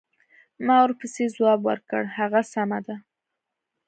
ما ورپسې ځواب ورکړ: هغه سمه ده.